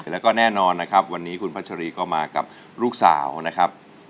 แล้วก็แน่นอนนะครับวันนี้คุณพัชรีก็มากับลูกสาวนะครับ